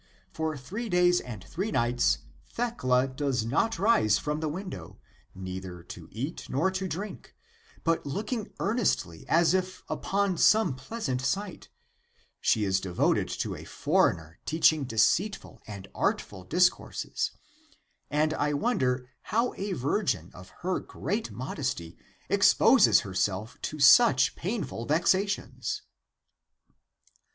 For three days and three nights Thecla does not rise from the window, neither to eat, nor to drink; but looking earnestly as if upon some pleasant sight, she is devoted to a foreigner teach ing deceitful and artful discourses, that I wonder how a virgin of her great modesty exposes herself to such painful vexations.